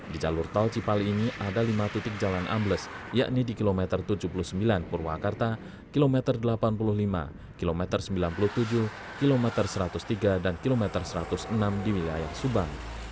di jalur tol cipali ini ada lima titik jalan ambles yakni di kilometer tujuh puluh sembilan purwakarta kilometer delapan puluh lima kilometer sembilan puluh tujuh kilometer satu ratus tiga dan kilometer satu ratus enam di wilayah subang